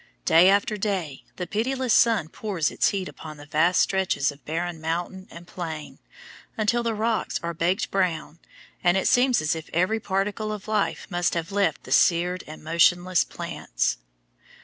Day after day the pitiless sun pours its heat upon the vast stretches of barren mountain and plain, until the rocks are baked brown and it seems as if every particle of life must have left the seared and motionless plants.